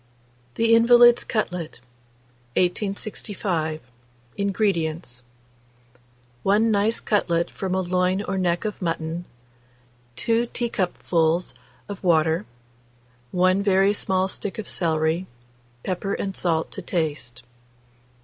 THE INVALID'S CUTLET. 1865. INGREDIENTS. 1 nice cutlet from a loin or neck of mutton, 2 teacupfuls of water, 1 very small stick of celery, pepper and salt to taste.